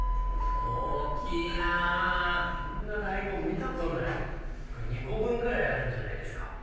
大きいなぁこんな大根見たことない２個分あるんじゃないですか。